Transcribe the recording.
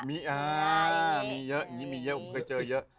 มีเยอะผมเคยเจอเยอะ